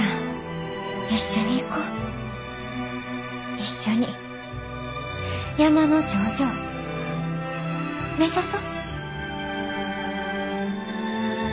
一緒に山の頂上目指そ。